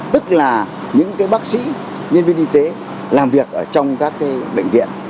tức là những bác sĩ nhân viên y tế làm việc ở trong các bệnh viện